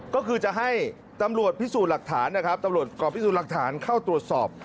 ก็คือจะให้ตำรวจกรปิสูจน์หลักฐานเข้าตรวจสอบ